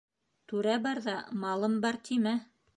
Түрә барҙа «малым бар» тимә